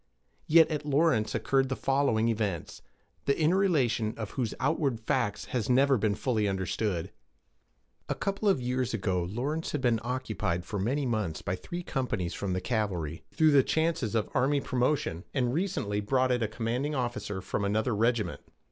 Yet at Lawrence occurred the following events, the inner relation of whose outward facts has never been fully understood. A couple of years ago, Lawrence had been occupied for many months by three companies from the th Cavalry, though the chances of army promotion had recently brought it a commanding officer from another regiment.